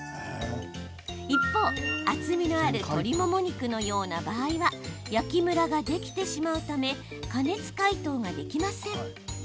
一方、厚みのある鶏もも肉のような場合は焼きムラができてしまうため加熱解凍ができません。